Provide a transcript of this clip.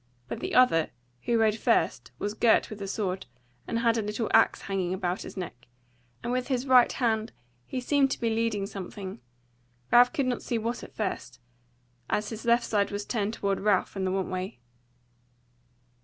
But the other who rode first was girt with a sword, and had a little axe hanging about his neck, and with his right hand he seemed to be leading something, Ralph could not see what at first, as his left side was turned toward Ralph and the want way.